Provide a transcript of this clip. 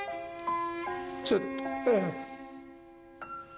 ちょっと。